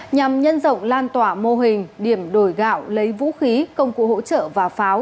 nhằm nhân rộng lan tỏa mô hình điểm đổi gạo lấy vũ khí công cụ hỗ trợ và pháo